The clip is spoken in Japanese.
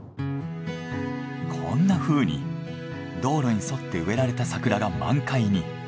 こんなふうに道路に沿って植えられた桜が満開に。